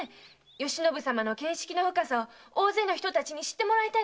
嘉信様の見識の深さを大勢の人たちに知ってもらいたいのだと思いますよ。